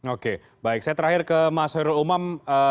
oke baik saya terakhir ke mas hoirul umam